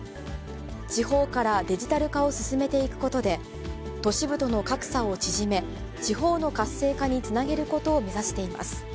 地方からデジタル化を進めていくことで、都市部との格差を縮め、地方の活性化につなげることを目指しています。